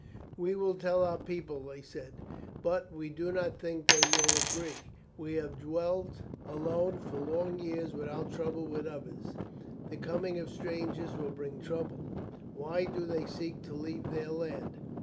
"We will tell our people," they said, "but we do not think that they will agree; we have dwelt alone for long years without trouble with others. The coming of strangers will bring trouble. Why do they seek to leave their land?"